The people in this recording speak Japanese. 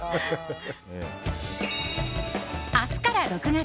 明日から６月。